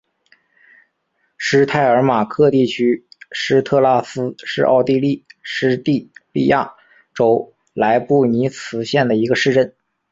施泰尔马克地区施特拉斯是奥地利施蒂利亚州莱布尼茨县的一个市镇。